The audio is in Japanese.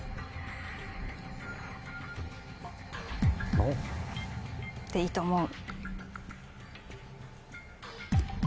「Ｎｏ」？でいいと思う。